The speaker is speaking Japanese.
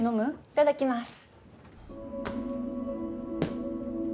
いただきます。